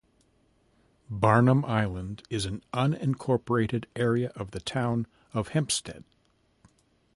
Barnum Island is an unincorporated area of the Town of Hempstead.